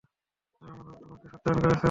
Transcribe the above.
আর তোমার রব তোমাকে সত্যায়ন করেছেন।